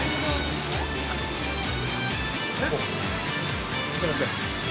あっ、すみません。